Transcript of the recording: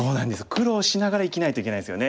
苦労しながら生きないといけないんですよね。